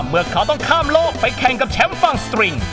เมื่อเขาต้องข้ามโลกไปแข่งกับแชมป์ฟังสตริง